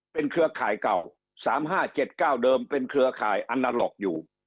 เป็นเครือข่ายเก่า๓๕๗๙เดิมเป็นเครือข่ายอันนาล็อกอยู่